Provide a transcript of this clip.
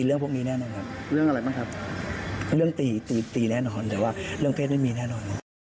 เรื่องตีตีแน่นอนแต่ว่าเรื่องเพศไม่มีแน่นอน